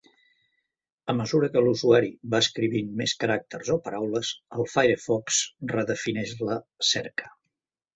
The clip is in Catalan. A mesura que l'usuari va escrivint més caràcters o paraules, el Firefox redefineix la cerca.